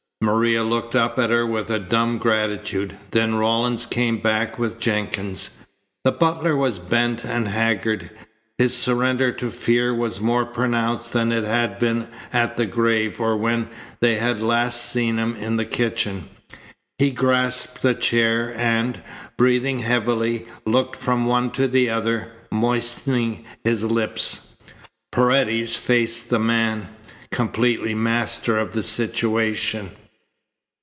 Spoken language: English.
Maria looked up at her with a dumb gratitude. Then Rawlins came back with Jenkins. The butler was bent and haggard. His surrender to fear was more pronounced than it had been at the grave or when they had last seen him in the kitchen. He grasped a chair and, breathing heavily, looked from one to the other, moistening his lips. Paredes faced the man, completely master of the situation.